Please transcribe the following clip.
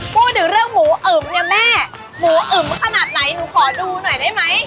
พูดถึงเรื่องหมูอึมเนี่ยแม่หมูอึมขนาดไหนหนูขอดูหน่อยได้ไหม